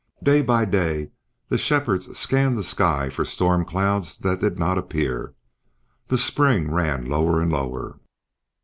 Day by day the shepherds scanned the sky for storm clouds that did not appear. The spring ran lower and lower.